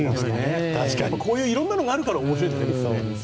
こういういろいろなのがあるから面白いんだよね。